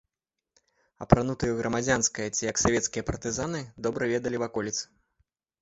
Апранутыя ў грамадзянскае ці як савецкія партызаны, добра ведалі ваколіцы.